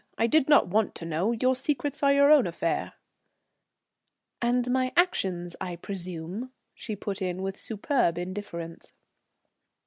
I did not want to know; your secrets are your own affair." "And my actions, I presume?" she put in with superb indifference.